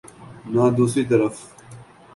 نہ دوسری طرف۔